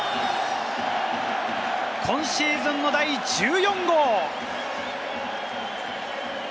今シーズンの第１４号。